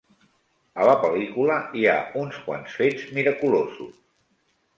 A la pel·lícula hi ha uns quants fets miraculosos.